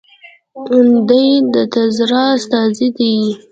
دی د تزار استازی دی.